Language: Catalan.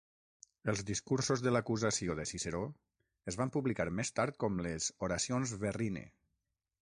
Els discursos de l'acusació de Ciceró es van publicar més tard com les "Oracions Verrine".